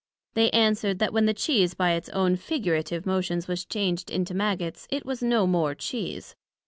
They answered, That when the Cheese by its own figurative motions was changed into Maggots, it was no more Cheese.